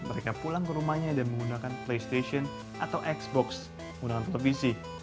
mereka pulang ke rumahnya dan menggunakan playstation atau xbox menggunakan televisi